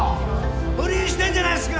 不倫してんじゃないっすか！